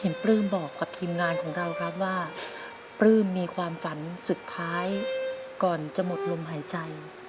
ปลื้มบอกกับทีมงานของเราครับว่าปลื้มมีความฝันสุดท้ายก่อนจะหมดลมหายใจ